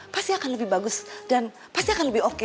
pasti akan lebih bagus dan pasti akan lebih oke